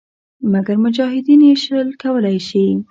مګر مجاهدین یې شل کولای شي.